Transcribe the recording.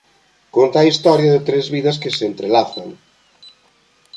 Conta a historia de tres vidas que se entrelazan.